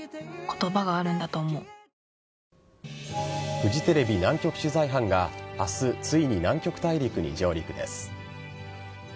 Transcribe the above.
フジテレビ南極取材班が明日、ついに南極大陸に上陸です。